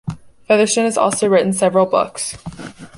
Featherstone has also written several books.